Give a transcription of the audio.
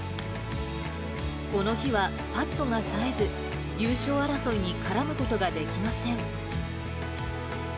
この日はパットがさえず、優勝争いに絡むことができません。